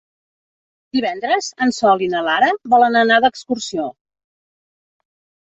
Divendres en Sol i na Lara volen anar d'excursió.